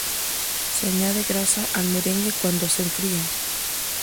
Se añade grasa al merengue cuando se enfría.